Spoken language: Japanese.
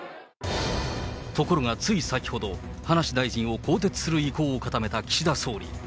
ところが、つい先ほど、葉梨大臣を更迭する意向を固めた岸田総理。